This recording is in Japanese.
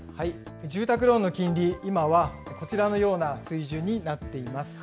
住宅ローンの金利、今はこちらのような水準になっています。